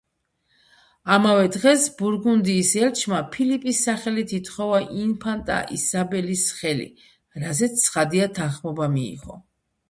ამავე დღეს ბურგუნდიის ელჩმა ფილიპის სახელით ითხოვა ინფანტა ისაბელის ხელი, რაზეც ცხადია თანხმობა მიიღო.